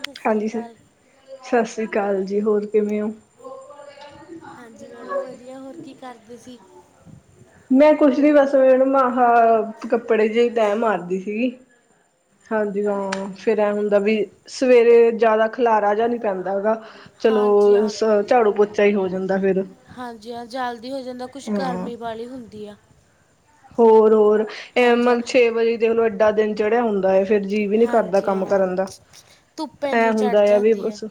ਸਤਿ ਸ੍ਰੀ ਹਾਂਜੀ, ਅਕਾਲ ਸਤਿ ਸ੍ਰੀ ਅਕਾਲ ਜੀ ਹੋਰ ਕਿਵੇਂ ਹੋ? ਹਾਂਜੀ, ਮੈਡਮ ਵਧੀਆ ਹੋਰ ਕੀ ਕਰਦੇ ਸੀ। ਮੈਂ ਕੁਛ ਨ ਬਸ ਮਨ ਮ ਕੱਪੜੇ ਜੇ ਤਹਿ ਮਾਰਦੀ ਸੀਗੀ। ਹਾਂਜੀ-ਹਾਂ, ਫੇਰ ਐ ਹੁੰਦਾ ਵੀ ਸਵੇਰੇ ਜ਼ਿਆਦਾ ਖਿਲਾਰਾ ਜਿ ਨਹੀਂ ਪੈਂਦਾ ਹੈਗਾ। ਚਲੋ, ਹਾਂਜੀ ਹਾਂ ਝਾੜੂ-ਪੋਚਾ ਹੀ ਹੋ ਜਾਂਦਾ ਫਿਰ। ਹਾਂਜੀ-ਹਾਂ, ਜਲਦੀ ਹੋ ਜਾਂਦਾ ਕੁਛ ਗਰਮੀ ਬੜੀ ਹੁੰਦੀ ਆ। ਹੋਰ-ਹੋਰ, ਟਾਈਮ ਹਾਂਜੀ ਹਾਂ ਨਾਲ ਛੇ ਵਜੇ ਦੇਖਲੋ ਏਡਾ ਦਿਨ ਚੜਿਆ ਹੁੰਦਾ। ਫਿਰ ਜੀਅ ਵੀ ਨੀ ਕਰਦਾ ਹਾਂਜੀ ਕੰਮ ਕਰਨ ਦਾ ਹਾਂ ਧੁੱਪ ਐ ਇੰਨੀ ਚੜ ਹੁੰਦਾ ਆ ਵੀ ਜਾਂਦੀ ਬੱਸ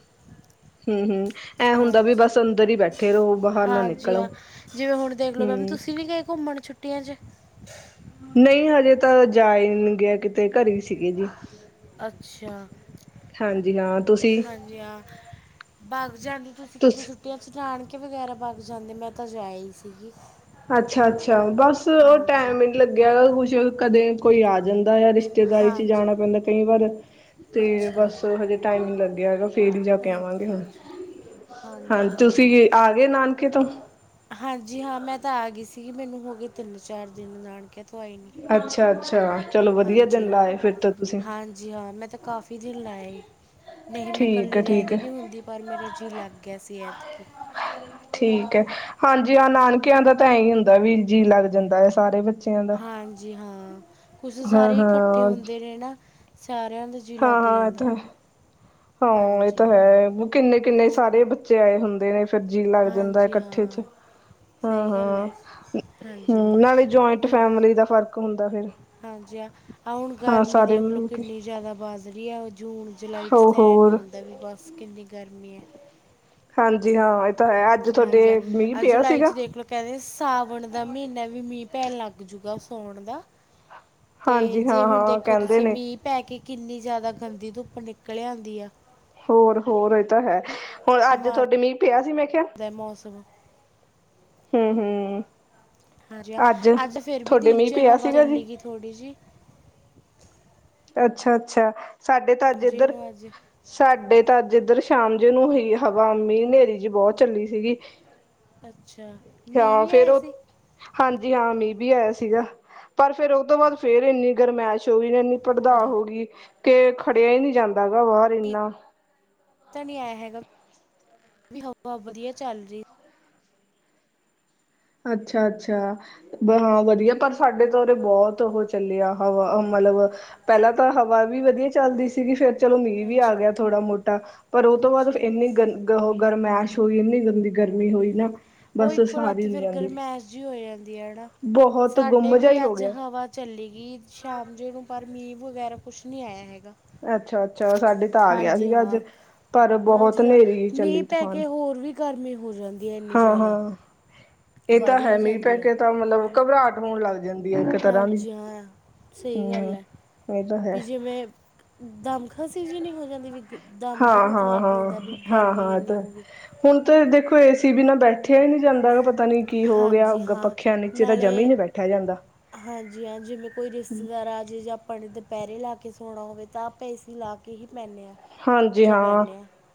ਹੂੰ-ਹੂੰ, ਐਂ ਹੁੰਦਾ ਵੀ ਹਾਂਜੀ ਬਸ ਅੰਦਰ ਹੀ ਬੈਠੇ ਰਹੋ ਬਾਹਰ ਨਾ ਹਾਂਜੀ ਨਿਕਲੋ। ਹਾਂ ਜਿਵੇਂ ਹੁਣ ਦੇਖਲੋ ਮੈਮ ਹੂੰ ਤੁਸੀਂ ਵੀ ਗਏ ਘੁੰਮਣ ਛੁੱਟੀਆਂ ਚ। ਨਹੀਂ, ਹਜੇ ਤਾਂ ਜਾ ਹੀ ਗਿਆ ਕਿਤੇ, ਘਰੇ ਸੀਗੇ ਜੀ। ਅੱਛਾ, ਹਾਂਜੀ ਹਾਂ ਤੁਸੀਂ ਹਾਂਜੀ ਹਾਂ। ਬਾਰ ਜਾਨ ਦੀ ਤੁਸੀਂ ਕਿਤੀ ਤੁਸ ਛੁੱ ਅਸੀ ਨਾਨਕੇ ਵਗੈਰਾ ਜਾਂਦੇ ਮੈਂ ਤਾਂ ਜਾਇ ਹੀ ਸੀਗੀ। ਅੱਛਾ-ਅੱਛਾ, ਬਸ ਉਹ ਹਾਂਜੀ ਟੈਮ ਹੀ ਨੀ ਲੱਗਿਆ ਕੁਛ ਕਦੇ ਕੋਈ ਆ ਜਾਂਦਾ ਰਿਸ਼ ਰਿਸ਼ਤੇਦਾਰੀ ਚ ਹਾਂਜੀ ਜਾਣਾ ਪੈਂਦਾ ਕਈ ਵਾਰ, ਤੇ ਅੱਛਾ ਬਸ ਹਜੇ ਟਾਈਮ ਨੀ ਲੱਗਿਆ ਹੈਗਾ। ਫੇਰ ਹੀ ਜਾਕੇ ਆਵਾਂਗੇ ਅੱਛਾ ਹੁਣ, ਅੱਛਾ ਹਾਂਜੀ ਤੁਸੀਂ ਆ ਗਏ ਨਾਨਕੇ ਤੋ। ਹਾਂਜੀ ਹਾਂ ਮੈਂ ਤਾਂ ਆ ਗਈ ਸੀਗੀ ਮੈਨੂੰ ਹੋ ਗਏ ਤਿੰਨ-ਚਾਰ ਦਿਨ ਨਾਨਕਿਆ ਤੋਂ ਆਈ ਨੂੰ। ਅੱਛਾ, ਅੱਛਾ, ਚਲੋ ਵਦੀਆ ਦਿਨ ਲਾਏ ਫਿਰ ਤੋਂ ਤੁਸੀਂ ਜੀ ਹਾਂ ਮੈਂ ਤਾਂ ਕਾਫੀ ਦਿਨ ਲਾ ਆਈ। ਠੀਕ ਐ ਠੀਕ ਐ। ਹੁੰਦੀ ਪਰ ਮੇਰਾ ਜੀਅ ਲੱਗ ਗਿਆ ਸੀ ਐਤਕੀ। ਠੀਕ ਐ, ਹਾਂਜੀ ਹਾਂ, ਨਾਨਕਿਆਂ ਦਾ ਤਾਂ ਐ ਈ ਹੁੰਦਾ ਵੀ ਜੀਅ ਲੱਗ ਜਾਂਦਾ ਐ ਸਾਰੇ ਬੱਚਿਆਂ ਦਾ। ਹਾਂਜੀ ਹਾਂ, ਕੁਛ ਹਾਂ ਸਾਰੇ ਇਕੱਠੇ ਹਾਂ ਹੁੰਦੇ ਨੇ ਨਾ ਸਾਰਿਆਂ ਦੇ ਹਾਂ, ਹਾਂ ਐ ਤਾਂ ਹੈ, ਹਾਂ ਐ ਤਾਂ ਹਾਂਜੀ ਹਾਂ ਹੈ ਬੁ ਕਿੰਨੇਂ-ਕਿੰਨੇ ਸਾਰੇ ਬੱਚੇ ਆਏ ਹੁੰਦੇ ਨੇ ਫਿਰ ਜੀਅ ਲੱਗ ਜਾਂਦਾ ਹਾਂਜੀ ਇਕੱਠੇ ਚ। ਹਾਂ ਸਹੀ ਗੱਲ ਹਾਂ-ਹਾਂ, ਹੈ ਹਾਂਜੀ ਹੂੰ, ਮੈਮ ਨਾਲੇ ਜੌਇੰਟ ਹੁਣ ਫੈਮਲੀ ਦਾ ਫ਼ਰਕ ਹੁੰਦਾ ਫਿਰ। ਹਾਂਜੀ ਹਾਂ। ਆ ਹੁਣ ਹਾਂ ਗਰਮੀ ਸਾਰੇ ਦੇਖ ਲਓ ਮਿਲ ਕੇ ਕਿੰਨੀ ਜ਼ੈਦਾ ਬਾਜ਼ ਰੀ ਐ ਜੂਨ- ਜੁਲਾਈ ਹੋ ਸੈ ਨੀ ਹੋਰ ਹੁੰਦਾ ਵੀ ਬਸ। ਕਿੰਨੀ ਗਰਮੀ ਐ। ਹਾਂਜੀ ਹਾਂ ਐ ਤਾਂ ਹੈ ਅੱਜ ਤੁਆਡੇ ਮੀਂ ਪਿਆ ਸੀਗਾ। ਕੈਂਦੇ ਸਾਵਣ ਦਾ ਮਹੀਨਾ ਵੀ ਮੀਂ ਪੈਣ ਲੱਗ ਜੂਗਾ ਸੌਉਣ ਦਾ। ਤੇ ਹਾਂਜੀ ਜੇ ਹੁਣ ਹਾਂ-ਹਾਂ ਦੇਖੋ ਕਹਿੰਦੇ ਤੁਸੀਂ ਨੇ ਮੀਂਹ ਪੈ ਕੇ ਕਿੰਨੀ ਜ਼ੈਦਾ ਗੰਦੀ ਧੁੱਪ ਨਿਕਲ ਆਂਦੀ ਆ। ਹੋਰ-ਹੋਰ ਏ ਤਾਂ ਹੈ, ਹੁਣ ਅੱਜ ਤੁਆਡੇ ਮੀਂਹ ਪਿਆ ਸੀ ਮੈਂ ਕਿਆ। ਤੇ ਮੌਸਮ ਹੂੰ, ਹੂੰ। ਹਾਂਜੀ ਹਾਂ, ਅੱਜ ਫੇਰ ਵੀ ਦਿਨ ਮੀਂਹ ਚ ਪਿਆ ਹਵਾ ਸੀਗਾ ਜੀ ਚੱਲੀ ਗੀ ਥੋੜ੍ਹੀ ਜੀ ਅੱਛਾ-ਅੱਛਾ ਸਾਡੇ ਤਾਂ ਅੱਜ ਸਮਝੇ ਇੱਧਰ ਨੂੰ ਅੱਜ ਸਾਡੇ ਤਾਂ ਅੱਜ ਇੱਧਰ ਸ਼ਾਮ ਜੀ ਨੂੰ ਹੀ ਹਵਾ ਮੀਂ ਹਨੇਰੀ ਜੀ ਬੌਤ ਚੱਲੀ ਸੀਗੀ ਅੱਛਾ ਮੀਂਹ ਹਾਂ, ਵੀ ਫੇਰ ਆਇਆ ਓ ਸੀ ਹਾਂਜੀ ਹਾਂ ਮੀਂਹ ਵੀ ਆਇਆ ਸੀਗਾ ਪਰ ਫੇਰ ਓ ਤੋਂ ਬਾਦ ਫੇਰ ਇੰਨੀ ਗਰਮੈਸ਼ ਹੋਈ [unintelligible] ਅੱਛਾ ਹੋ ਗਈ ਕੇ ਖੜਿਆ ਈ ਨਈ ਜਾਂਦਾ ਹੈਗਾ ਬਾਹਰ ਇੰਨਾ। ਪਤਾ ਨੀ ਐ ਹੈਗਾ ਹਵਾ ਵਦੀਆ ਚੱਲ ਦੇ। ਅੱਛਾ-ਅੱਛਾ। ਹਾਂ ਵਦੀਆ ਪਰ ਸਾਡੇ ਤਾਂ ਓਰੇ ਬੌਤ ਓਹ ਚੱਲਿਆ ਹਵਾਂ ਵ ਮਤਲਬ ਪੈਲਾਂ ਤਾਂ ਹਵਾ ਵੀ ਵਦੀਆ ਚੱਲਦੀ ਸੀਗੀ ਫਿਰ ਚਲੋ ਮੀਂ ਵੀ ਆ ਅੱਛਾ ਗਿਆ ਥੋੜਾ ਮੋਟਾ ਪਰ ਓ ਤੋਂ ਬਾਦ ਅੱਛਾ ਇੰਨੀ ਗੰ ਗਰਮੈਸ਼ ਹੋਈ ਇੰਨੀ ਗੰਦੀ ਗਰਮੀ ਹੋਈ ਨਾ ਬਸ ਸਾ ਤੇ ਫਿਰ ਗਰਮੈਸ਼ ਜੀ ਹੋ ਜਾਂਦੀ ਐਨਾ, ਬਹੁਤ ਸਾਡੇ ਗੁੰਮ ਜਿਹਾ ਵੀ ਹੀ ਹੋ ਅੱਜ ਗਿਆ ਹਵਾ ਚੱਲੀ ਗਈ ਸ਼ਾਮ ਜੇ ਨੂੰ ਪਰ ਮੀਂਹ ਵਗੈਰਾ ਕੁਛ ਨਈ ਆਇਆ ਹੈਗਾ। ਅੱਛਾ, ਅੱਛਾ ਸਾਡੇ ਤਾਂ ਆ ਗਿਆ ਹਾਂਜੀ ਸੀਗਾ ਅੱਜ ਹਾਂ, ਪਰ ਨਾ ਜੀ ਬਹੁਤ ਜਾ ਹਨੇਰੀ ਮੀਂਹ ਚੱਲੀ ਪੈ ਕੇ ਹੋਰ ਵੀ ਗਰਮੀ ਹੋ ਜਾਂਦੀ। ਹੈ ਇੰਨੀ ਜ਼ਿਆਦਾ ਹਾਂ-ਹਾਂ, ਏ ਤਾਂ ਵੱਧ ਹੈ ਹੀ ਮੀਂਹ ਪੈ ਜਾਂਦੀ ਆ ਕੇ ਤਾਂ ਮਤਲਬ ਘਬਰਾਟ ਹੋਣ ਲੱਗ ਜਾਂਦੀ ਐ ਇੱਕ ਤਰ੍ਹਾਂ ਦੀ। ਸਈ ਗੱਲ ਐ, ਹਮ ਇਹ ਤਾਂ ਹੈ ਵੀ ਜਿਵੇਂ ਦਮ ਖਾਂਸੀ ਜੀ ਨਈ ਹੋ ਜਾਂਦੀ ਵੀ। ਕ ਦਮ ਜ ਹਾਂ ਘੁੱਟ ਹਾਂ ਲੱਗ ਹਾਂ ਜਾਂਦਾ ਵੀ ਹਾਂ ਗਰਮੀ ਹਾਂ ਇਹ ਇੰਨੀ ਤਾਂ ਹੋ ਗਈ। ਹੁਣ ਤੇ ਦੇਖੋ ਏ ਸੀ ਵੀ ਨਾ ਬੈ ਠਿਆ ਈ ਨੀ ਜਾਂਦਾ ਪਤਾ ਨੀ ਕੀ ਹੋ ਗਿਆ, ਹਾਂਜੀ ਹਾਂ ਪੱਖਿਆ ਨੀਚੇ ਤਾਂ ਜਮਾ ਈ ਨਾਲੇ ਨੀ ਬੈਠਿਆ ਜਾਂਦਾ। ਹਾਂਜੀ ਹਾਂ ਜਿਵੇਂ ਕੋਈ ਰਿਸ਼ਤੇਦਾਰ ਆ ਜੇ ਜਾਂ ਆਪਣੇ ਦ ਪਹਿਰੇ ਲਾ ਕੇ ਸੋਣਾ ਹੋਵੇ ਤਾਂ ਆਪਾਂ ਏਸੀ ਲਾ ਕੇ ਹੀ ਪੈਨੇ ਆ। ਹਾਂਜੀ ਹਾਂ,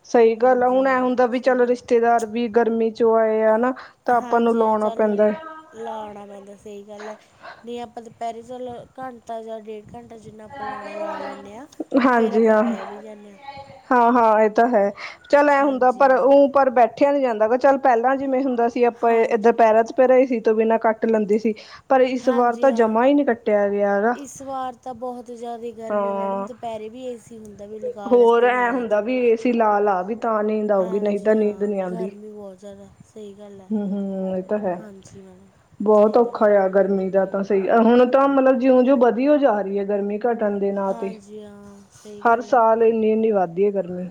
ਸਈ ਗੱਲ ਆ ਹਾਂਜੀ ਹੁਣ ਐ ਹਾਂ ਹੁੰਦਾ ਵੀ ਸਹੀ ਚੱਲ ਗੱਲ ਰਿਸ਼ਤੇਦਾਰ ਵੀ ਗਰਮੀ ਚੋਂ ਆਏ ਆ ਨਾ ਤਾਂ ਆਪਾਂ ਨੂੰ ਹਾਂਜੀ ਹਾਂ ਲਾਉਣਾ ਚੱਲ ਪੈਂਦਾ। ਲਾਉਣਾ ਪੈਂਦਾ ਸਈ ਗੱਲ ਐ, ਨਈ ਆਪਾਂ ਦੁਪਹਿਰੀ ਚਲ ਘੰਟਾ ਜਾਂ ਡੇਢ ਘੰਟਾ ਜਿੰਨਾ ਆਪਾਂ ਲਾਉਣਾ ਲਾ ਲੈਨੇ ਆ ਫੇਰ ਆਪਾਂ ਪੈ ਵੀ ਜਾਨੇ ਆ। ਹਾਂ-ਹਾਂ ਏ ਤਾਂ ਹੈ ਚੱਲ ਐ ਹੁੰਦਾ ਹਾਂਜੀ ਪਰ ਹਾਂ ਓ ਪਰ ਬੈਠਿਆ ਨੀ ਜਾਂਦਾ ਗਾ ਚੱਲ ਪੈਲਾਂ ਜਿਵੇਂ ਹੁੰਦਾ ਸੀ ਆਪਾਂ ਹਾਂਜੀ ਇੱਧਰ ਪੈਰਾਂ ਚ ਪੈ ਰਹੇ ਏਸੀ ਤੋਂ ਬਿਨਾਂ ਕਾ ਟ ਲੈਂਦੇ ਸੀ ਪਰ ਇਸ ਵਾਰ ਹਾਂਜੀ ਤਾਂ ਹਾਂ ਜਮਾ ਈ ਨਈ ਕੱਟਿਆ ਗਿਆ ਹੈਗਾ। ਇਸ ਵਾਰ ਤਾਂ ਬਹੁਤ ਜ਼ਿਆਦਾ ਗਰਮੀ ਆ ਮੈਡਮ ਹਾਂ ਦੁਪਹਿਰੇ ਵੀ ਏ ਸੀ ਹੁੰਦਾ ਵੀ ਲਗਾ ਲ ਇਸ ਦਿਨ ਰਾਤ ਫਿਲਹਾਲ ਵੀ ਤਾਂ ਨ ਹਾਂਜੀ, ਹਾਂ ਗਰਮੀ ਬੋਤ ਜਾਦਾ। ਹੂੰ, ਹੂੰ ਏਤਾਂ ਹੈ, ਮੈਡਮ ਬੋਤ ਸਹੀ ਗੱਲ ਔਖਾ ਹੈ ਯਾ। ਗਰਮੀ ਦਾ ਤਾਂ ਸਹੀ, ਏ ਹੁਨ ਤਾਂ ਮਤਲਬ ਜਿਉਂ-ਜਿਉ ਵਧੀ ਔ ਜਾ ਰਈ ਏ ਗਰਮੀ। ਘਟਨ ਦੇ ਨਾਂ ਤੇ, ਹਾਂਜੀ ਹਾਂ ਸਹੀ ਹਰ ਗੱਲ ਹੈ ਸਾਲ ਇੰਨੀ- ਇੰਨੀ ਵਾਧਦੀ ਏ ਗਰਮੀ,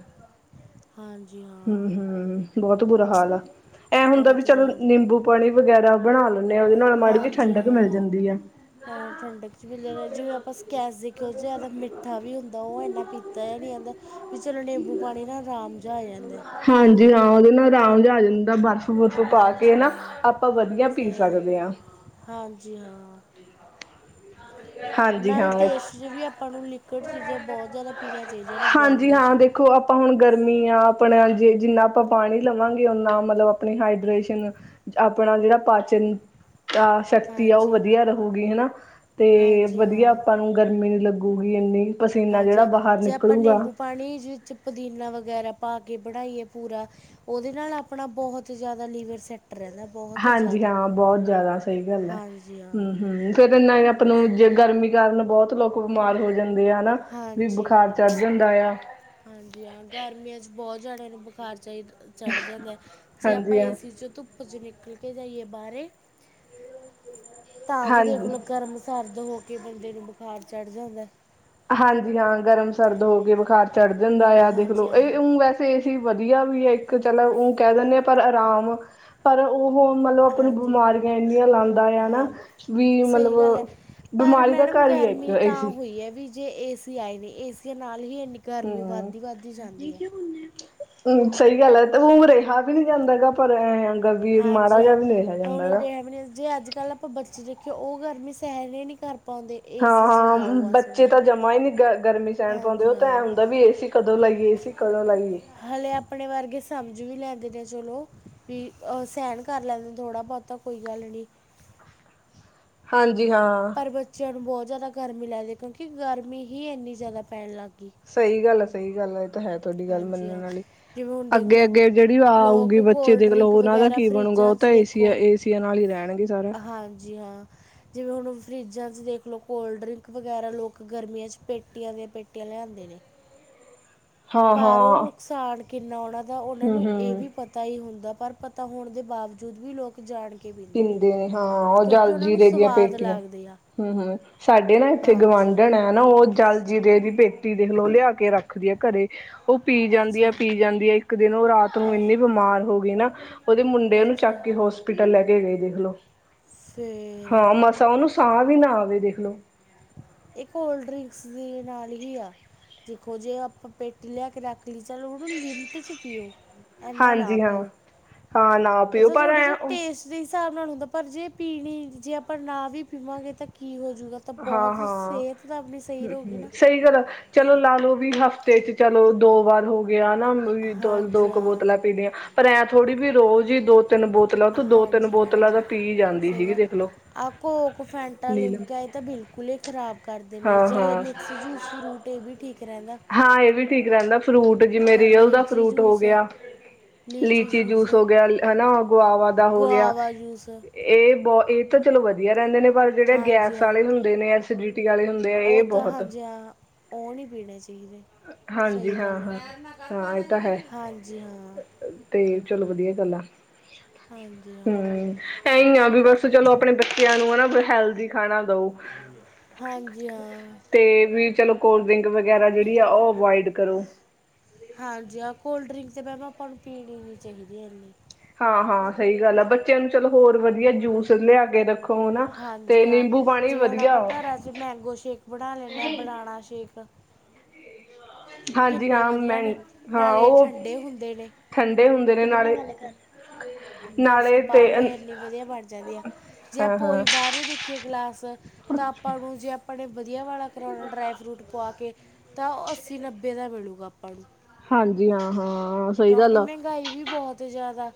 ਹਾਂਜੀ ਹਾਂ ਹੂੰ-ਹੂੰ ਬੋਤ ਬੁਰਾ ਹਾਲ ਆ। ਏ ਹੁੰਦੈ ਵੀ, ਬਹੁਤ ਚਲੋ ਜ਼ਿਆਦਾ ਨਿੰਬੂ-ਪਾਣੀ ਵਗੈਰਾ ਬਣਾ ਲਨੇ ਆ, ਔਦੇ ਨਾਲ ਮਾੜੀ ਜਿ ਹਾਂਜੀ ਠੰਡਕ ਮਿਲ ਹਾਂ ਜਾਂਦੀ ਏ। ਠੰਡਕ [unintelligible] ਜਿਵੇਂ ਅਪਾਂ [unintelligible] ਜਾਦਾ ਮਿੱਠਾ ਵੀ ਹੁੰਦਾ ਔ ਏਨਾ ਪੀਤਾ ਯਾ ਨੀ ਜਾਂਦਾ। ਵੀ ਚਲੋ ਨਿੰਬੂ- ਪਾਣੀ ਨਾ ਅਰਾਮ। ਹਾਂਜੀ ਹਾਂ, ਔਦੇ ਨਾਲ ਰਾਮ ਜਾ ਆ ਜਾਂਦਾ ਬਾਸ। ਤੋਂ ਪਾ ਕੇ ਹਾਂਜੀ ਨਾ ਹਾਂ ਆਪਾਂ ਵਧੀਆ ਪੀ ਸਹੀ ਗੱਲ ਹੈ ਸਕਦੇ ਹਾਂ ਹਾਂਜੀ ਹਾਂ ਹਾਂ ਹਾਂਜੀ ਨਾਲ ਟੇਸਟ ' ਵੀ ਆਪਾਂ ਨੂੰ ਲੀਕਵੋਡ ਚੀਜ਼ਾਂ ਬਹੁਤ ਜ਼ਿਆਦਾ ਪੀਣੀਆਂ ਦ ਨੇ ਹਾਂਜੀ ਗਰਮੀ ' ਹਾਂ ਦੇਖੋ ਆਪਾਂ ਹੁਣ ਗਰਮੀ ਆ ਆਪਣਾ ਜੇ ਜਿੰਨਾ ਆਪਾਂ ਪਾਣੀ ਲਵਾਂਗੇ ਓਨਾ ਮਤਲਬ ਆਪਣੀ ਹਾਈਡਰੇੇਸ਼ਨ ਆਪਣਾ ਜਿਹੜਾ ਪਾਚਨ ਅ ਸ਼ਕਤੀ ਆ ਉਹ ਹਾਂਜੀ ਵਧੀਆ ਰਹੇਗੀ ਹਨਾ ਤੇ ਹਾਂਜੀ ਵਧੀਆ ਹਾਂ ਆਪਾਂ ਨੂੰ ਗਰਮੀ ਨੀ ਲੱਗੂਗੀ ਇੰਨੀ ਪਸੀਨਾ ਹਾਂਜੀ ਜਿਹੜਾ ਬਾਹਰ ਜੇ ਆਪਾਂ ਨਿਕਲੂਗਾ। ਨਿੰਬੂ ਪਾਣੀ ਚ 'ਚ ਪੁਦੀਨਾ ਵਗੈਰਾ ਪਾ ਕੇ ਬਣਾਈਏ ਪੂਰਾ ਉਹਦੇ ਨਾਲ ਆਪਣਾ ਬਹੁਤ ਜ਼ਿਆਦਾ ਲੀਵਰ ਸੈਟਰ ਰਹਿੰਦਾ ਬਹੁਤ ਹਾਂਜੀ ਜ਼ਿਆਦਾ ਹਾਂ ਬਹੁਤ ਜਿਆਦਾ ਸਹੀ ਗੱਲ ਹੈ ਹਾਂਜੀ ਹਾਂ ਹਮ ਹਮ [unintelligible] ਜੇ ਗਰਮੀ ਕਾਰਨ ਬੋਤ ਲੋਕ ਬਮਾਰ ਹੋ ਜਾਂਦੇ ਆ ਨਾ, ਵੀ ਹਾਂਜੀ ਬੁਖਾਰ ਚ ਹੁੰਦਾ ਹਾਂਜੀ, ਹਾਂ, ਗਰਮੀਆਂ ਚ ਬੋਤ ਜਾਦਾ ਬੁਖਾਰ ਚਾਈ ਚਾੜ ਜਾਂਦੈ, ਜੇ ਅਪਾਂ ਹਾਂਜੀ ਹਾਂ ਏਸੀ ਚ ਧੁੱਪ ਕੁਝ ਨਿਕਲ ਕੇ ਜਾਈਏ ਬਾਰੇ। ਤਾਂ ਵੀ ਹਾਂਜੀ। ਦੇਖਲੋ, ਗਰਮ-ਸਰਦ ਹੋ ਕੇ ਬੰਦੇ ਨੂੰ ਬੁਖਾਰ ਚੜ ਜਾਂਦਾ। ਹਾਂਜੀ ਹਾਂ, ਗਰਮ-ਸਰਦ ਹੋ ਕੇ ਬੁਖਾਰ ਚਾੜ੍ਹ ਜਾਂਦਾ ਯਾ, ਹਾਂਜੀ ਦੇਖਲੋ ਹਾਂ ਇਹ ਉਹ ਵੈਸੇ ਏਸੀ [unintelligible] ਵਧੀਆ ਵੀ ਆ, ਇੱਕ ਚਲ ਉ ਕੈ ਦਨੇਆ ਪਰ ਅਰਾਮ। ਪਰ ਉਹੋ ਮਤਲਬ, ਅਪਨੀ ਹਾਂਜੀ ਬਮਾਰੀਆਂ ਏਨੀਆਂ ਲਾਂਦਾ ਯਾ ਨਾ, ਹਾਂ ਵੀ ਸਹੀ ਗੱਲ ਹੈ ਮਤਲਬ ਪਰ ਬਿਮਾਰੀ ਦਾ ਮੈਡਮ, ਘਰ ਹੀ ਹੈ ਇੱਕ ਗਰਮੀ ਤਾਂ ਏਸੀ ਹੋਈ ਏ ਵੀ। ਜੇ ਏਸੀ ਆਏ ਨੇ, ਏਸੀਆਂ ਨਾਲ ਹੀ ਏਨੀ ਗਰਮੀ ਵਾਦੀ- ਵਾਦੀ ਜਾਂਦੀ ਏ। ਸਈ ਗਲ ਏ, ਤੇ ਉ ਰੇਹਾ ਵੀ ਨੀ ਜਾਂਦਾ ਹੇਗਾ। [unintelligible] ਪਰ ਇਹ ਹੈਗਾ ਹਾਂਜੀ ਹਾਂ, ਹੁਣ [unintelligible] ਜੇ ਅੱਜ ਕੱਲ ਅਪਾਂ ਬੱਚੇ ਦੇਖੇ, ਔ ਗਰਮੀ ਸੈਨ ਹੀ ਨੀ ਕਰ ਪਾਉਂਦੇ। ਏ ਹਾਂ ਸੀ 'ਚ ਹਾਂ, ਲਾਓ ਬਸ ਬੱਚੇ ਉਹਨਾਂ ਤਾਂ ਨੂੰ ਜਮਾਂ ਈ ਨੀ ਗ-ਗਰਮੀ ਪਾਉਂਦੇ, ਹਾਂਜੀ ਔ ਤਾਂ ਐਂ ਹਾਂ ਹੁੰਦਾ ਵੀ ਏਸੀ ਕਦੋਂ ਲਾਈਏ, ਏਸੀ ਕਦੋਂ ਲਾਈਏ। ਹਲੇੇ ਆਪਣੇ ਵਰਗੇ ਸਮਝ ਵੀ ਲੈਂਦੇ ਨੇ ਚਲੋ, ਵੀ ਸੈਨ ਕਾਰ ਲੈਂਦੇ ਨੇ ਥੋੜ੍ਹਾ- ਬੌਤਾ। ਕੋਈ ਗਲ ਨੀ। ਹਾਂਜੀ ਹਾਂ। ਪਰ ਬੱਚਿਆਂ ਨੂੰ ਬੋਤ ਜਾਦਾ ਗਰਮੀ ਲਾਗਦੀ, ਕਿਉਂਕਿ ਗਰਮੀ ਹੀ ਏਨੀ ਜਾਦਾ ਪੈਣ ਲਾੱਗ ਗੀ। ਸਈ ਗੱਲ ਏ, ਸਈ ਗੱਲ ਏ। ਹੈ ਤੁਹਾਡੀ ਗੱਲ ਹਾਂਜੀ ਹਾਂ ਮੰਨਣ ਵਾਲੀ, ਜਿਵੇਂ ਹੁਣ ਦੇਖ ਲਓ ਅੱਗੇ-ਅੱਗੇ ਜੇੜੀ ਵਾ ਆਊਗੀ ਲੋਕ ਬੱਚੇ ਕੋਲਡ ਦੇਖਲੋ ਡਰਿੰਕ ਔਨਾ ਦਾ ਵਗੈਰਾ ਕੀ ਬਣੂਗਾ। ਫਰਿੱਜਾਂ ਤਾਂ 'ਚ ਦੇਖੋ ਏਸੀ-ਏਸਿਆ ਨਾਲ ਹੀ ਰੈਣਗੇ ਸਾਰੇ। ਹਾਂਜੀ ਹਾਂ ਜਿਵੇਂ ਹੁਣ ਫਰਿੱਜਾਂ 'ਚ ਦੇਖ ਲੋ, ਕੋਲਡ-ਡਰਿੰਕ ਵਗੈਰਾ ਲੋਕ ਗਰਮੀਆਂ 'ਚ ਪੇਟੀਆਂ ਦਿਆਂ ਪੇਟ [unintelligible] ਲਿਆਨਦੇ ਨੇ। ਪਰ ਔ ਹਾਂ-ਹਾਂ ਨੁਕਸਾਨ ਕਿੰਨਾ ਔਨਾਂ ਦਾ, ਔਨਾਂ ਨੂੰ ਇਹ ਹੂੰ-ਹੂੰ ਵੀ ਪਤ ਤਾਈ ਹੁੰਦਾ, ਪਰ ਪਤਾ ਹੋਣ ਦੇ ਬਾਵਜੂਦ ਵੀ ਲੋਕ ਜਾਣਕੇ ਪੀਂਦੇ ਨੇ, ਹਾਂ ਉਹ ਕਿਉਂਕਿ ਜਲ ਔਨਾਂ ਨੂੰ ਜੀਰੇ ਦੀਆਂ ਸਵਾਦ ਪੇਟੀਆਂ ਲਗਦੇ ਆ। ਹੂੰ -ਹੂੰ ਸਾਡੇ ਨਾ ਏਥੇ ਹਾਂਜੀ ਗਵਾਂਢਣ ਏ, ਨਾ ਔ ਜਾਲਜੀਰੇ ਦੀ ਪੇਟੀ, ਦੇ ਗਲੋਲੇ ਆਕੇ ਰਾੱਖ ਖਰੇ ਆ ਘਰੇ, ਔ ਪੀ ਜਾਂਦੀ ਏ, ਅੱਛਾ ਪੀ ਜਾਂਦੀ ਏ, ਇੱਕ ਦਿਨ, ਔ ਰਾਤ ਨੂੰ ਹਾਂਜੀ ਇੰਨੀ ਬਿਮਾਰ ਹੋ ਗੀ ਨਾ। ਉਹਦੇ ਮੁੰਡੇ ਉਨੂੰ ਚੱਕ ਅੱਛਾ ਕੇ ਹੋ ਹੋਸਪਿਟਲ, ਲੈ ਕੇ ਗਏ ਦੇਖਲੋ, ਫਿਰ ਹਾਂ ਮਸਾਂ ਉਹਨੂੰ ਸਾਹ ਵੀ, ਨਾ ਆਵੇ ਦੇਖਲੋ। ਇਹ ਕੋਲਡ ਡ੍ਰਿੰਕਸ, ਦੇ ਨਾਲ ਹੀ ਆ। ਦੇਖੋ ਜੀ, ਆਪਾਂ ਪੇਟੀ ਲਿਆ ਕੇ ਰਖ ਲੀ, ਚਲੋ ਓਨੁ ਲਿਮਟ ਚ ਪੀਓ। ਇੰਨਾ ਨਾ ਹਾਂਜੀ ਹਾਂ ਪੀਓ, ਹਾਂ ਨਾ ਪੀਓ ਇਹਦਾ ਪਰ ਥੋੜ੍ਹਾ ਐ ਜਿਹੇਹਾ ਟੇਸਟ ਜੇ ਹਿਸਾਬ ਨਾਲ ਹੁੰਦਾ, ਪਰ ਜੇ ਪੀਣੀ ਜੇ, ਆਪਾਂ ਨਾ ਵੀ ਪੀਵਾਂਗੇ ਤਾਂ ਕੀ ਹੋਜੂਗਾ। ਤਾਂ ਹਾਂ ਬਹੁਤ ਹਾਂ ਸਿਹਤ ਤਾਂ, ਆਪਣੀ ਸਹੀ ਰਹੂਗੀ ਨਾ। ਸਹੀ ਗੱਲ ਏ। ਚਲੋ, ਲਾ -ਲੋ ਵੀ ਹਫ਼ਤੇ ਚ ਚਲੋ ਦੋ ਵਾਰ ਹੋ। ਵਿਆਹ ਨਾ ਵੀ ਦੋ-ਦੋ ਹਾਂਜੀ ਕ ਹਾਂ ਬੋਤਲਾਂ ਪੀਣੀਆਂ, ਪਰ ਐਂ ਥੋੜ੍ਹੀ ਵੀ ਰੋਜ਼ ਹੀ ਦੋ-ਤਿੰਨ ਬੋਤ ਹਾਂਜੀ ਹਾਂ ਸਹੀ ਸੀਗੀ ਗੱਲ, ਦੇਖਲੋ ਆ ਕੋੋਕ, ਫੈਂਟਾ, ਨੀਲਮ ਲਿਮਕਾ ਤਾਂ, ਬਿਲਕੁਲ ਇ ਖ਼ਰਾਬ ਕਰਦੇ ਨੇ, ਹਾਂ ਜਲ ਹਾਂ ਮਿਕਸ-ਜੂਸ, ਫਰੂਟ ਏ ਵੀ ਠੀਕ ਰੈਨਦਾ। ਹਾਂ, ਏ ਵੀ ਠੀਕ ਰਹਿਦਾ, ਫਰੂਟ ਜਿਵੇਂ ਰੀਅਲ ਦਾ ਲੀਚੀ ਫਰੂਟ ਹੋ ਜੂਸ ਗਿਆ। ਲੀਚੀ ਜੂਸ ਹੋ ਗਿਆ, ਹਨਾ ਹਾਂ ਗੁਆਵਾ ਦਾ ਹੋ ਗਿਆ। ਗੁਆਵਾ ਜੂਸ ਏ ਤਾਂ ਚਲੋ ਵਧੀਆ ਰਿਹਦੇ ਨੇ, ਪਰ ਜੇੜੇ ਗੈਸ ਆਲੇ ਹੁੰਦੇ ਨੇ ਐਸੀਡਿਟੀ ਆਲੇ ਹੁੰ ਔ ਤਾਂ ਹਾਂਜੀ ਹਾਂ, ਔ ਨੀ ਪੀਣੇ ਚਾਈਦੇ। ਹਾਂਜੀ ਸਈ ਹਾਂ ਗਾੱਲ ਏ, ਹਾਂ ਹਾਂ ਇਹ ਤਾਂ ਹੈ ਹਾਂਜੀ ਹਾਂ। ਤੇ ਚਲੋ ਵਧੀਆ ਗਾੱਲ ਆ। ਹਾਂਜੀ ਹਾਂ। ਏਈ ਆ ਵੀ ਬਾਸ, ਚਲੋ ਅਪਣੇ ਬੱਚਿਆਂ ਨੂੰ ਹਨਾ ਹੈਲਦੀ ਖਾਣਾ ਦੳ। ਹਾਂਜੀ ਹਾਂ ਤੇ ਵੀ ਚਲੋ, ਕੋਲਡ ਡਰਿੰਕ ਵਗੈਰਾ, ਜਿਹੜੀ ਆ ਉਹ ਅਵੋਇਡ ਕਰੋ। ਹਾਂਜੀ, ਆਹ ਕੋਲਡ ਡਰਿੰਕ ਤਾਂ, ਮੈ ਕਹਾ ਆਪਾਂ ਨੂੰ ਪੀਣੀ ਨਹੀਂ, ਚਾਹੀਦੀ ਇਨੀ। ਹਾਂ, ਹਾਂ ਸਹੀ ਗੱਲ ਆ, ਬੱਚਿਆਂ ਨੂੰ ਚਲੋ ਹੋਰ ਵਧੀਆ ਜੂਸ, ਲਿਆ ਕੇ ਰੱਖੋ। ਉਹ ਨਾ, ਹਾਂਜੀ ਤੇ ਹਾਂ ਨਿੰਬੂ ਪਾਣੀ ਜਿਵੇਂ ਹੁਣ ਵਧੀਆ ਆਪਾਂ ਘਰਾਂ 'ਚ ਮੈਂਗੋ ਸ਼ੇਕ ਬਣਾ ਲੈਂਦੇ ਆ ਬਨਾਣਾ ਸ਼ੇਕ ਹਾਂਜੀ ਕਿੰਨੇ ਹਾਂ ਵਧੀਆ ਨੇ ਮੰਨਟ ਹਾਂ ਨਾਲੇ ਉਹ ਠੰਡੇ ਹੁੰਦੇ ਨੇ ਠੰਡੇ ਹੁੰਦੇ ਨੇ ਨਾਲੇ ਬਰਫ਼ ਨਾਲੇ ਪਾ ਤੇ ਕੇ, ਇੰਨੀ ਵਧੀਆ ਬਣ ਜਾਂਦੀ ਆ, ਜੇ ਹਾਂ-ਹਾਂ ਆਪਈ ਬਾਹਰ ਦੇ ਇੱਕੀ ਗਲਾਸ, ਤਾਂ ਆਪਾਂ ਨੂੰ ਜੇ ਆਪਾਂ ਨੇ ਵਧੀਆ ਵਾਲਾ ਕਰਵਾਉਣਾ, ਡਰਾਈ ਫਰੂਟ ਪਵਾ ਕੇ। ਤਾਂ ਉਹ, ਅੱਸੀ -ਨੱਬੇ ਦਾ ਮਿਲੇਗਾ ਆਪਾਂ ਨੂੰ। ਹਾਂਜੀ ਹਾਂ, ਹਾਂ। ਕਿਉਂਕਿ, ਮਹਿੰਗਾਈ ਵੀ ਬਹੁਤ ਜ਼ਿਆਦਾ।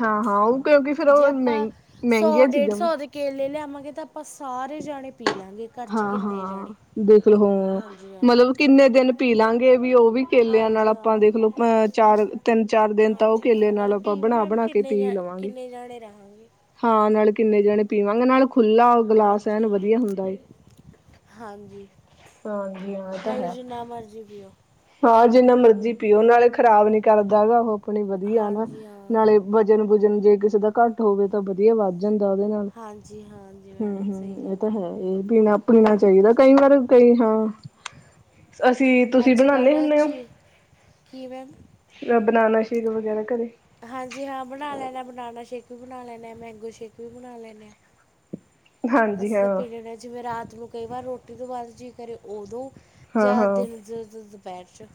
ਹਾਂ, ਹਾਂ ਉਹ ਕਿਉਂਕਿ, ਫੇਰ ਜੇ ਉਹ ਆਪਾਂ ਮਹਿੰ ਮਹਿੰਗੀਆਂ ਚੀਜ਼ਾਂ ਵਾ। ਦੇ ਕੇਲੇ ਲਿਆਵਾਂਗੇ, ਤਾਂ ਆਪਾਂ ਸਾਰੇ ਜਾਣੇ ਪੀ ਲਾਂਗੇ, ਘਰ ਚ ਕਿੰਨੇ ਜਾਣੇ। ਹਾਂ-ਹਾਂ ਦੇਖਲੋ ਹਾਂ ਹਾਂਜੀ ਹਾਂ ਮਤਲਬ, ਕਿੰਨੇ ਦਿਨ ਪੀ ਲਾਂਗੇ ਵੀ ਉਹ ਵੀ, ਕੇਲਿਆਂ ਨਾਲ ਹਾਂਜੀ ਆਪਾਂ ਹਾਂ ਦੇਖਲੋ। ਅ ਚਾਰ ਤਿੰਨ- ਚਾਰ ਦਿਨ ਤਾਂ ਉਹ ਹਾਂਜੀ ਕੇਲੇ ਹਾਂ ਨਾਲ ਨਾਲੇ ਆਪਾਂ ਪੀ ਵੀ ਬਣਾ- ਮੈਮ -ਬਣਾ ਕੇ ਕਿੰਨੇ ਪੀ ਜਾ- ਲਵਾਂਗੇ। ਕਿੰਨੇ ਜਾਣੇ ਰਹਾਂਗੇ ਹਾਂ ਨਾਲੇ, ਕਿੰਨੇ ਜਾਣੇ ਪੀਵਾਂਗੇ, ਨਾਲ ਖੁੱਲਾ ਗਲਾਸ ਹਾਂਜੀ ਐਨ ਹਾਂ ਵਧੀਆ ਹੁੰਦਾ ਏ। ਹਾਂਜੀ, ਹਾਂਜੀ ਹਾਂ ਇਹ ਤਾਂ ਨਾਲੇ ਹੈ। ਜਿੰਨਾ ਮਰਜ਼ੀ ਪੀਓ। ਹਾਂ ਜਿੰਨਾ ਮਰਜ਼ੀ ਪੀਓ, ਨਾਲੇ ਖ਼ਰਾਬ ਨੀ ਕਰਦਾ ਹੈਗਾ, ਉਹ ਆਪਣੀ ਵਧੀਆ ਨਾ ਹਾਂਜੀ ਹਾਂ ਨਾਲੇ। ਵਜਨ- ਵੂਜਨ ਜੇ ਕਿਸੇ ਦਾ ਘੱਟ ਹੋਵੇ। ਤਾਂ ਵਧੀਆ ਵੱਧ ਜਾਂਦਾ, ਉਹਦੇ ਨਾਲ ਹਾਂਜੀ ਹਾਂਜੀ ਹਮ, ਮੈਡਮ ਸਹੀ ਹਮ ਇਹ ਗੱਲ ਤਾਂ ਹੈ। ਇਹ ਪੀਣਾ -ਪੀਣਾ ਚਾਹੀਦਾ ਹਾਂਜੀ ਕਈ ਵਾਰ ਕਈ ਹਾਂ। ਅਸੀਂ, ਤੁਸੀਂ ਅੱਜ ਬਣਾਉਦੇ ਕੱਲ੍ਹ ਹੁੰਦੇ ਹੋ? ਚੀ ਕੀ ਮੈਮ ਬਨਾਨਾ ਸ਼ੇਕ, ਵਗੈਰਾ ਘਰੇ ਹਾਂਜੀ ਹਾਂ, ਬਣਾ ਲੈਣਾ ਹਾਂ, ਬਨਾਨਾ ਸ਼ੇਕ ਵੀ ਬਣਾ ਲੈਦੇ ਹਾਂ, ਮੈਂਗੋ ਸ਼ੇਕ ਵੀ ਬਣਾ ਲੈਂਦੇ ਹਾਂ। ਹਾਂਜੀ ਅਸੀਂ ਤਾਂ, ਹਾਂ ਪੀ ਜਿਵੇਂ, ਰਾਤ ਨੂੰ ਕਈ ਵਾਰ ਰੋਟੀ ਤੋਂ, ਬਾਅਦ ਜੀ ਕਰੇ ਓਦੋ। ਹਾਂ ਜਾਂ, ਹਾਂ ਦਿਨ ਦੁਪਹਿਰ ਚ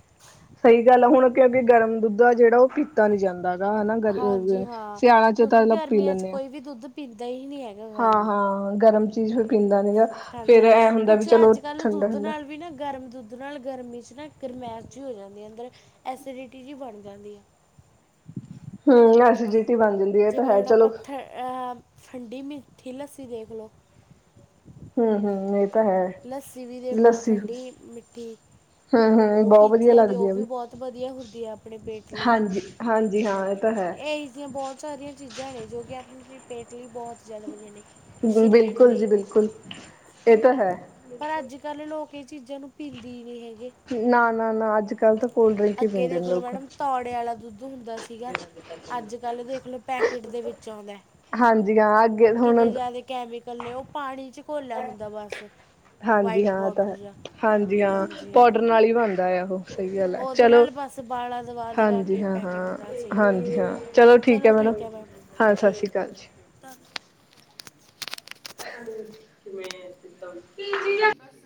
ਸਹੀ ਗੱਲ ਆ, ਹੁਣ ਕਿ ਅਗੇ ਗਰਮ ਦੁੱਧ ਆ ਜਿਹੜਾ, ਉਹ ਪੀਤਾ ਨੀ ਜਾਂਦਾ। ਹਨਾ ਹਾਂਜੀ ਗਰਮੀ, ਹਾਂ ਸਿਆਲਾ ਚ ਕਿਉਂਕਿ ਤਾਂ ਪੀ ਗਰਮੀਆਂ 'ਚ ਲੈਂਣੇ ਆਂ। ਕੋਈ ਵੀ ਦੁੱਧ ਪੀਂਦਾ ਹੀ ਨਹੀਂ ਹੈਗਾ ਹਾਂ-, ਹਾ ਗਰਮ ਹਾਂ। ਹੁਣ ਗਰਮ ਚੀਜ਼ ਫਿਰ ਪੀਂਦਾ ਨੀ ਨਾ। ਹਾਂਜੀ ਆ। ਕੁਛ ਅੱਜ ਕਲ੍ਹ ਦੁੱਧ ਠੰਡਾ ਨਾਲ ਵੀ ਨਾ ਗਰਮ ਦੁੱਧ ਉਹ ਨਾਲ ਗਰਮੀ 'ਚ ਨਾ ਗਰਮੈਸ਼ ਜਿਹੀ ਹੋ ਜਾਂਦੀ ਆ ਅੰਦਰ, ਐਸੀਡਿਟੀ ਜਿਹੀ ਬਣ ਜਾਂਦੀ ਆ। ਹੂੰਮ ਐਸੀਡਿਟੀ ਬਣ ਜਾਂਦੀ। ਹੈ ਇਹ ਤਾਂ ਜਿਵੇਂ ਹੈ ਹੁਣ ਚਲੋ ਆਪਾਂ ਥ ਠੰਡੀ ਮਿੱਠੀ ਲੱਸੀ ਦੇਖ ਲਓ। ਹੂੰ ਹੂੰ ਇਹ ਤਾਂ ਹੈ ਲੱਸੀ ਵੀ ਦੇਖ ਲਓ, ਲੱਸੀ ਠੰਡੀ ਮਿੱਠੀ‌ ਹਮ ਹਮ ਉਹ ਬਹੁਤ ਵਧੀਆ ਪੀਤੀਆਂ ਦੀ ਲੱਗਦੀ ਉਹ ਆ ਵੀ ਬਹੁਤ ਵਧੀਆ ਹੁੰਦੀ ਆ ਆਪਣੇ ਪੇਟ ਲਈ। ਹਾਂਜੀ ਹਾਂਜੀ ਹਾਂ ਇਹ ਤਾਂ ਹੈ। ਇਹ ਜੀਆਂ ਬਹੁਤ ਸਾਰੀਆਂ ਚੀਜ਼ਾਂ ਨੇ, ਜੋ ਕਿ ਆਪਣੀ ਪੇਟ ਲਈ ਬਹੁਤ ਜ਼ਿਆਦਾ ਵਧੀਆ ਨੇ। ਸਰੀਰ ਬਿਲਕੁਲ ਜੀ, ਲਈ ਵੀ ਬਿਲਕੁਲ, ਇਹ ਤਾਂ ਹੈ। ਪਰ ਅੱਜ ਕੱਲ ਲੋਕ ਇਹ ਚੀਜ਼ਾਂ ਨੂੰ ਪੀਂਦੇ ਹੀ ਨਹੀਂ ਹੈਗੇ। ਨਾ, ਨਾ, ਨਾ ਅੱਜ ਕੱਲ੍ਹ ਤਾਂ ਕੋਲਡ ਡਰਿੰਕ ਹੀ ਪੀਂਦੇ ਨੇ ਲੋਕ ਪਹਿਲਾਂ ਵਾਲਾ ਦੁੱਧ ਹੁੰਦਾ ਸੀਗਾ, ਅੱਜ ਕੱਲ ਦੇਖ ਲੋ ਪੈਕਟ ਦੇ ਵਿੱਚ ਆਉਂਦਾ। ਹਾਂਜੀ ਹਾਂ ਅੱਗੇ ਹੁਣ ਕਿੰਨੇ ਜ਼ਿਆਦਾ ਕੈਮੀਕਲ ਨੇ, ਉਹ ਪਾਣੀ ਚ ਘੋਲਿਆ ਹੁੰਦਾ ਬਸ। ਹਾਂਜੀ ਵਾਈਟ ਹਾਂ ਆ ਤਾਂ ਪਾਊਡਰ ਹੈ। ਜਾਂ ਹਾਂਜੀ ਹਾਂ ਹਾਂਜੀ ਪਾਉਡਰ ਹਾਂ ਨਾਲ ਹੀ ਬਣਦਾ ਆ ਉਹੋ। ਸਹੀ ਗੱਲ ਹੈ, ਉਹਦੇ ਚਲੋ ਨਾਲ ਬਸ ਬਾਲਾ ਦਵਾ ਦਵਾ ਹਾਂਜੀ ਕੇ ਹਾਂ, ਪੈਕਟ ਹਾਂ ਨਾਲ ਸੀਲ ਕਰ ਹਾਂਜੀ ਹਾਂ। ਦਿੰਦੇ ਨੇ ਚਲੋ ਠੀਕ ਹੈ ਮੈਡਮ, ਹਾਂ ਸਤਿ ਸ਼੍ਰੀ ਅਕਾਲ ਜੀ। ਤਾਂ [unintelligible] ਹਾਂਜੀ ਬਸ।